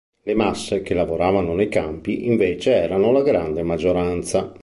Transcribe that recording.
Le masse che lavoravano nei campi, invece, erano la grande maggioranza.